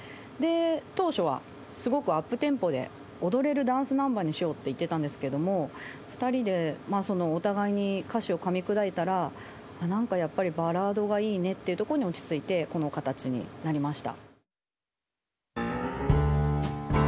当初はすごくアップテンポで踊れるダンスナンバーにしようって言ってたんですけども２人でお互いに歌詞をかみ砕いたら何かやっぱりバラードがいいねっていうところに落ち着いてこの形になりました。